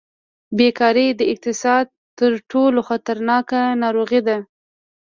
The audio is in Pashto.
بېکاري د اقتصاد تر ټولو خطرناکه ناروغي ده.